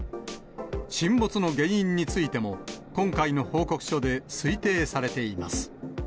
沈没の原因についても、今回の報告書で推定されています。